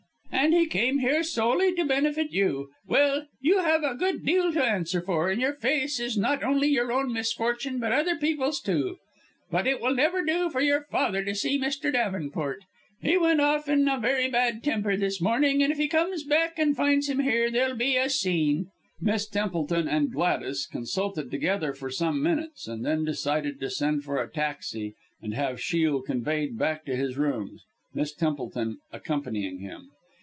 And he came here solely to benefit you! Well, you have a good deal to answer for, and your face is not only your own misfortune, but other people's too. But it will never do for your father to see Mr. Davenport. He went off in a very bad temper this morning, and if he comes back and finds him here, there'll be a scene." Miss Templeton and Gladys consulted together for some minutes, and then decided to send for a taxi and have Shiel conveyed back to his rooms, Miss Templeton accompanying him.